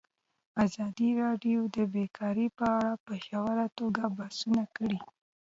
ازادي راډیو د بیکاري په اړه په ژوره توګه بحثونه کړي.